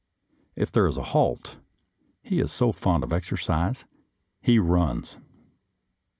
If there is a halt, he is so fond of exercise that he runs.